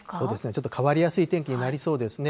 ちょっと変わりやすい天気になりそうですね。